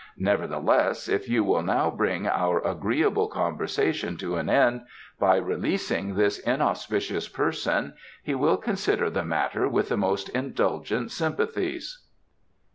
Nevertheless, if you will now bring our agreeable conversation to an end by releasing this inauspicious person he will consider the matter with the most indulgent sympathies."